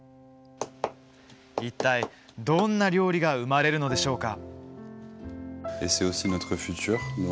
いったい、どんな料理が生まれるのでしょうか？